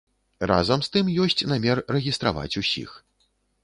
Разам з тым ёсць намер рэгістраваць усіх.